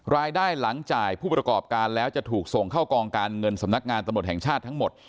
รายได้หลังจ่ายผู้ประกอบการแล้วจะถูกส่งเข้ากองการเงินสำนักงานตำรวจแห่งชาติทั้งหมด